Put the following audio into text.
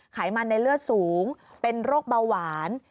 ไขมันในเลือดสูงเป็นโรคเบาหวาน